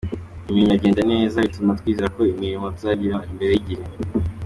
Imirimo iragenda neza bituma twizera ko imirimo tuzayirangiza mbere y’igihe.